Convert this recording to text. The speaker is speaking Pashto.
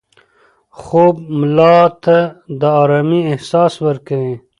خوب ملا ته د ارامۍ احساس ورکوي.